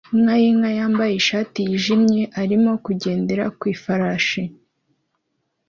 Inka yinka yambaye ishati yijimye arimo kugendera ku ifarashi